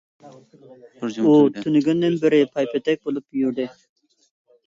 ئۇ تۈنۈگۈندىن بېرى پايپېتەك بولۇپ يۈردى.